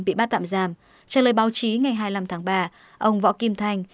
bị bắt tạm giam trả lời báo chí ngày hai mươi năm tháng ba ông võ kim thành